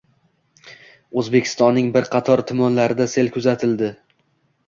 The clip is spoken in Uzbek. O‘zbekistonning bir qator tumanlarida sel kuzatildi